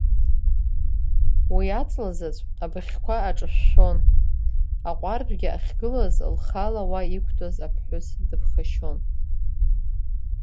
Уи аҵлазаҵә абыӷьқәа аҿышәшәон, аҟәардәгьы ахьгылаз, лхала уа иқәтәаз аԥҳәыс дыԥхашьон.